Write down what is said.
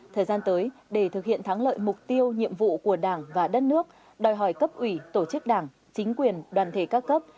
thời gian tới để thực hiện thắng lợi mục tiêu nhiệm vụ của đảng và đất nước đòi hỏi cấp ủy tổ chức đảng chính quyền đoàn thể các cấp